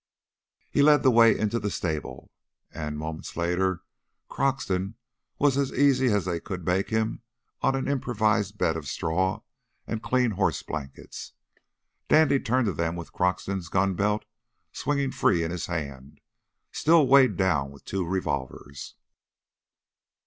He led the way into the stable, and moments later Croxton was as easy as they could make him on an improvised bed of straw and clean horse blankets. Dandy turned to them with Croxton's gun belt swinging free in his hand, still weighted down with two revolvers.